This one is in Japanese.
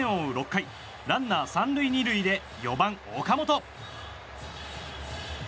６回ランナー３塁２塁で４番、岡本。